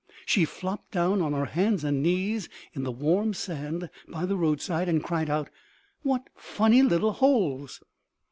She flopped down on her hands and knees in the warm sand by the roadside and cried out, "What funny little holes!"